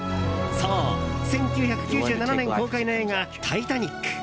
そう、１９９７年公開の映画「タイタニック」。